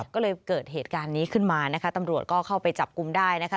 ก็เลยเกิดเหตุการณ์นี้ขึ้นมานะคะตำรวจก็เข้าไปจับกลุ่มได้นะคะ